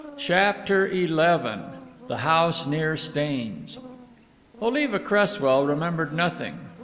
CHAPTER XI THE HOUSE NEAR STAINES Oliva Cresswell remembered nothing.